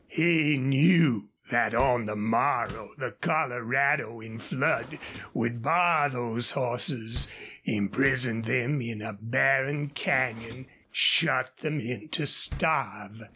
He knew that on the morrow the Colorado in flood would bar those horses, imprison them in a barren canyon, shut them in to starve.